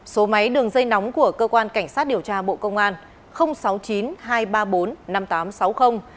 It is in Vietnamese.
số máy đường dây nóng của cơ quan cảnh sát điều tra bộ công an sáu mươi chín hai trăm ba mươi bốn năm nghìn tám trăm sáu mươi